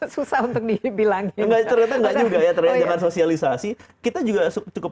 susah untuk dibilangin ternyata nggak juga ya terjalan jalan sosialisasi kita juga cukup